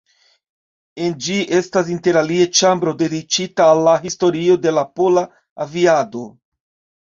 En ĝi estas interalie ĉambro dediĉita al la historio de la pola aviado.